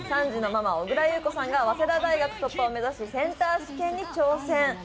３児のママ、小倉優子さんが早稲田大学突破を目指しセンター試験に挑戦。